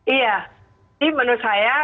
iya jadi menurut saya